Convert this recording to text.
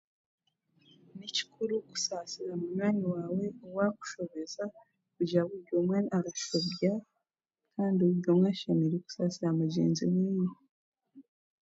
Ekikuru kushaasira munywani waawe owaakushobeza, kugira buri omwe arashobya, kandi buri omwe ashemereire kusaasira mugyenzi weeye.